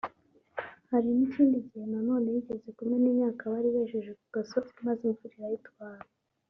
Hari n’ikindi gihe nanone yigeze kumena imyaka bari bejeje ku gasozi maze imvura irayitwara